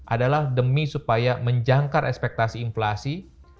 adalah demi supaya menjangkar ekspektasi inflasi